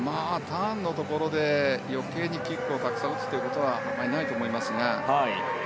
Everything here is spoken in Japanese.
ターンのところで余計にたくさんキックを打つということはあまりないと思いますが。